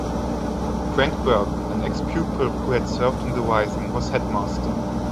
Frank Burke, an ex-pupil who had served in the Rising, was headmaster.